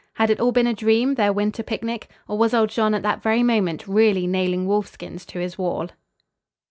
Had it all been a dream, their winter picnic, or was old Jean at that very moment really nailing wolf skins to his wall?